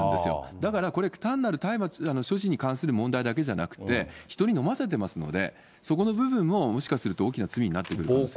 だからこれ、単なる大麻所持に関する問題だけじゃなくて、人に飲ませてますので、そこの部分ももしかすると大きな罪になってくると思います。